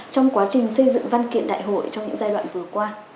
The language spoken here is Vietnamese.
trong quá trình xây dựng văn kiện đại hội trong những giai đoạn vừa qua